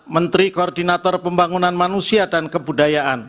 menteri koordinator pembangunan manusia dan kebudayaan